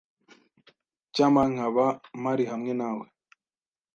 Icyampa nkaba mpari hamwe nawe.